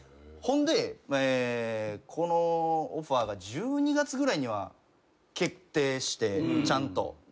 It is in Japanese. ほんでこのオファーが１２月ぐらいには決定してちゃんと。